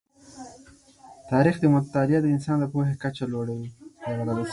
د تاریخ مطالعه د انسان د پوهې کچه لوړوي.